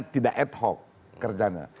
tidak ad hoc kerjanya